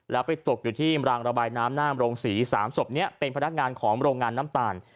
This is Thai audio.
แล้วไปตกอยู่ที่รางระบายน้ำหน้าโรงศรีสามศพนี้เป็นพนักงานของโรงงานน้ำตาล